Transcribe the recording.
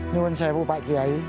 nyuan sebuah pak giai